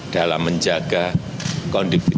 dalam menjaga kondusivitas